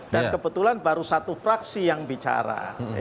dan kebetulan baru satu fraksi yang bicara